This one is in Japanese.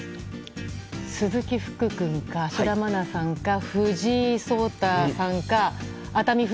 鈴木福君か、芦田愛菜さんか藤井聡太さんか、誰か。